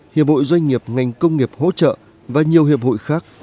hiệp hội doanh nghiệp ngành công nghiệp hỗ trợ và nhiều hiệp hội khác